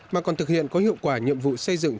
mà còn thực hiện có hiệu quả nhiệm vụ xây dựng